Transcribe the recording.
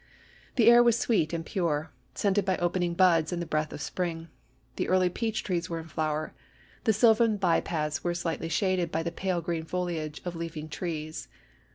The air was sweet and pure, chap. ix. scented by opening buds and the breath of spring ; the early peach trees were in flower ; the sylvan by paths were slightly shaded by the pale green foliage of leafing trees.